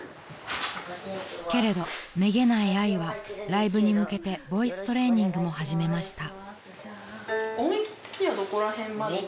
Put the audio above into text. ［けれどめげないあいはライブに向けてボイストレーニングも始めました］